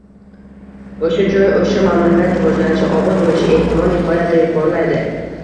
o‘sha joy, o‘sha mamlakat rivojlanishi, obod bo‘lishi ehtimoli nihoyatda yuqorilaydi.